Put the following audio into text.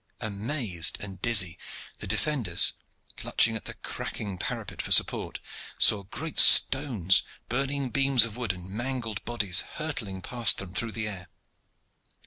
Amazed and dizzy, the defenders, clutching at the cracking parapets for support, saw great stones, burning beams of wood, and mangled bodies hurtling past them through the air.